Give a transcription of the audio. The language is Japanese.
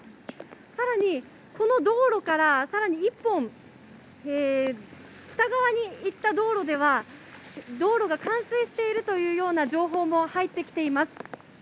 さらにこの道路からさらに一本、北側に行った道路では、道路が冠水しているというような情報も入ってきています。